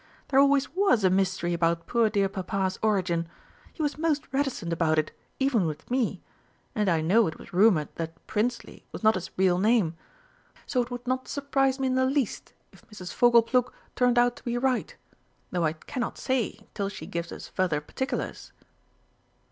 There always was a mystery about poor dear Papa's origin. He was most reticent about it even with me. And I know it was rumoured that Prinsley was not his real name. So it would not surprise me in the least if Mrs. Fogleplug turned out to be right, though I cannot say till she gives us further particulars."